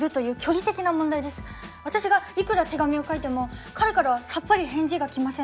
私がいくら手紙を書いても彼からはさっぱり返事が来ません。